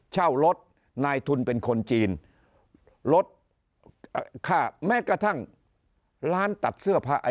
เช่ารถนายทุนเป็นคนจีนลดค่าแม้กระทั่งร้านตัดเสื้อผ้า